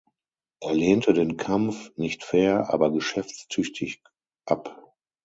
Er lehnte den Kampf, nicht fair, aber geschäftstüchtig ab.